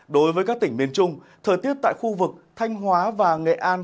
đối với các tỉnh miền trung thời tiết tại khu vực thanh hóa và nghệ an